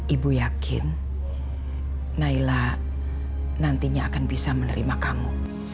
ibu yakin naila nantinya akan bisa menerima kamu